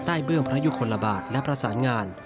เบื้องพระยุคลบาทและประสานงาน